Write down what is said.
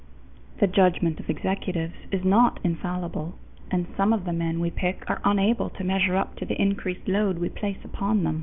The judgment of executives is not infallible, and some of the men we pick are unable to measure up to the increased load we place upon them.